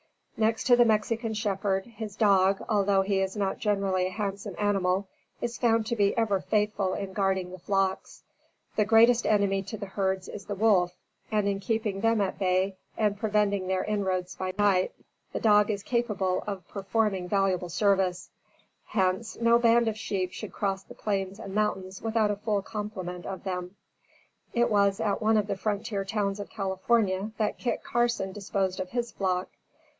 Next to the Mexican shepherd, his dog, although he is not generally a handsome animal, is found to be ever faithful in guarding the flocks. The greatest enemy to the herds is the wolf; and in keeping them at bay, and preventing their inroads by night, the dog is capable of performing valuable service; hence, no band of sheep should cross the plains and mountains without a full complement of them. It was at one of the frontier towns of California that Kit Carson disposed of his flock.